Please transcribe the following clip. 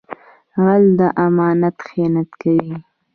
غل د امانت خیانت کوي